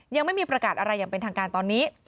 ยังไม่มีประกาศอะไรอย่างเป็นทางการตอนนี้